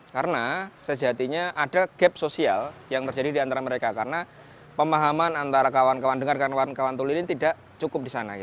karena sejatinya ada gap sosial yang terjadi diantara mereka karena pemahaman antara kawan kawan tuli ini tidak cukup disana